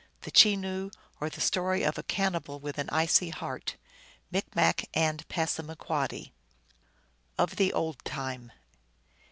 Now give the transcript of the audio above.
/. The Chenoo, or the Story of a Cannibal with an Icy Heart. (Micmac and Passamaquoddy.) OF the old time.